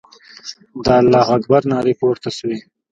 د الله اکبر نارې پورته سوې.